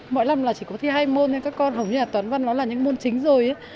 mỗi năm là chỉ có thi hai môn nên các con hầu như là toán văn nó là những môn chính rồi